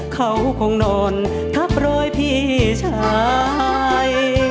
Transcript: เขาคงนอนทับรอยพี่ชาย